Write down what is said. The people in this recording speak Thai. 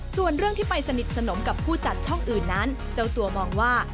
ส่วนเรื่องที่ไปสนิทสนมกับผู้จัดช่องอื่นนั้นเจ้าตัวมองว่า